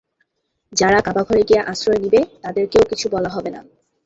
যারা কাবা ঘরে গিয়ে আশ্রয় নিবে তাদেরকেও কিছু বলা হবে না।